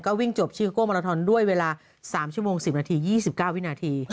วิ่งจบชิโก้มาราทอนด้วยเวลา๓ชั่วโมง๑๐นาที๒๙วินาที